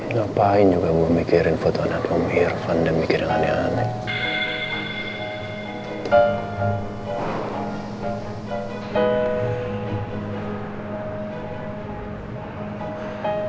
ngapain juga gue mikirin foto anak umir fanda mikirin hal yang aneh